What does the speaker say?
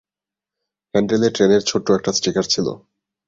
হ্যান্ডেলে ট্রেনের ছোট্ট একটা স্টিকার ছিল।